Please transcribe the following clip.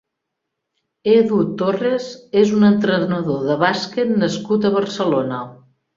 Edu Torres és un entrenador de bàsquet nascut a Barcelona.